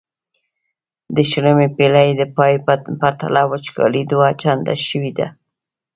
د شلمې پیړۍ د پای په پرتله وچکالي دوه چنده شوې ده.